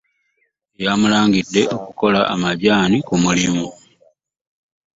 Y'amulangide okukola amajani ku mulimu